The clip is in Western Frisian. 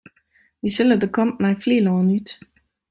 Wy sile de kant nei Flylân út.